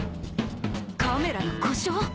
カメラの故障？